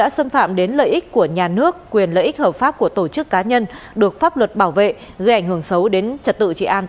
xin chào và hẹn gặp lại